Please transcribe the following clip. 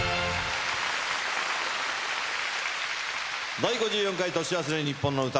『第５４回年忘れにっぽんの歌』